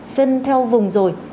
phân theo vùng rồi